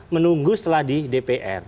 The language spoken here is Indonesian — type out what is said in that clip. menunggu setelah di dpr